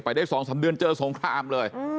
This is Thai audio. ได้๒๓เดือนเจอสงครามเลย